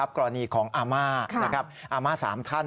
กรณีของอาม่าอาม่า๓ท่าน